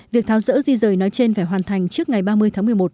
việc tháo rỡ di rời nói trên phải hoàn thành trước ngày ba mươi tháng một mươi một